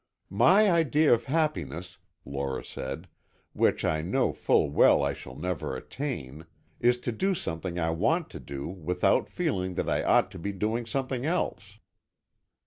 "My idea of happiness," Lora said, "which I know full well I shall never attain, is to do something I want to do without feeling that I ought to be doing something else."